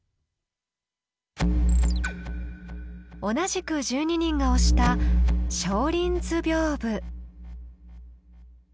同じく１２人が推した「松林図屏風」。